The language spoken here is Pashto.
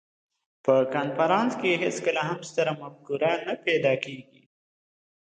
په کنفرانس کې هېڅکله هم ستره مفکوره نه پیدا کېږي.